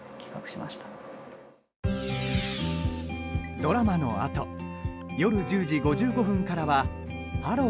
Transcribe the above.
ドラマのあと夜１０時５５分からは「ハロー！